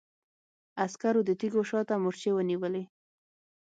عسکرو د تيږو شا ته مورچې ونيولې.